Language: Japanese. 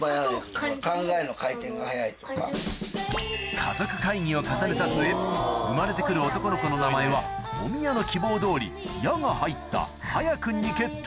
家族会議を重ねた末生まれて来る男の子の名前はお宮の希望どおり「や」が入った迅君に決定